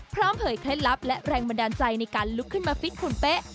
เผยเคล็ดลับและแรงบันดาลใจในการลุกขึ้นมาฟิตหุ่นเป๊ะ